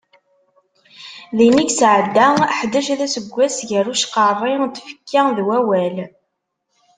Din i yesɛedda ḥdac d aseggas, gar ucqerri n tfekka d wawal.